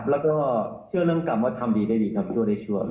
แล้วก็เชื่อเรื่องกรรมว่าทำดีได้ดีกับตัวในชวน